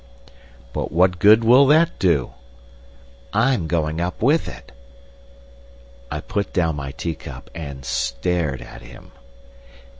"But what good will that do?" "I'm going up with it!" I put down my teacup and stared at him.